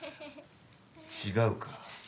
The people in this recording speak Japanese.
違うか。